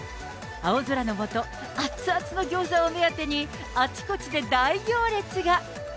青空の下、熱々の餃子を目当てにあちこちで大行列が。